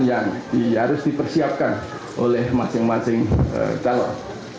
yang harus dipersiapkan oleh masing masing calon